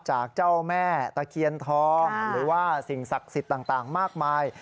จากเจ้าแม่ตะเคียนทองหรือว่าสิ่งศักดิ์สิทธิ์ต่างมากมาย